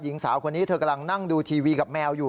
หญิงสาวคนนี้เธอกำลังนั่งดูทีวีกับแมวอยู่